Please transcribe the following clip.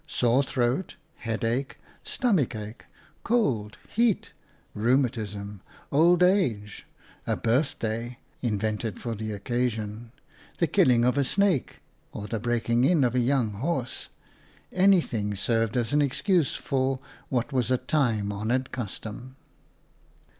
Sore throat, headache, stomach ache, cold, heat, rheumatism, old age, a birthday (invented for PLACE AND PEOPLE n the occasion), the killing of a snake or the breaking in of a young horse — anything served as an excuse for what was a time honoured custom.